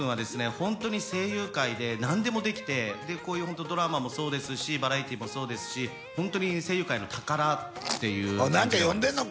ホントに声優界で何でもできてでこういうドラマもそうですしバラエティーもそうですしホントに声優界の宝っていう何か読んでんのか？